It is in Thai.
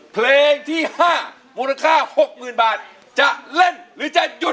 เพลงที่๕มูลค่า๖๐๐๐บาทจะเล่นหรือจะหยุด